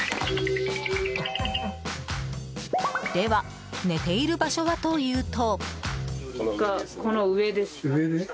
では、寝ている場所はというと。